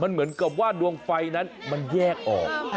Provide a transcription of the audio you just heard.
เหมือนกับว่าดวงไฟนั้นมันแยกออก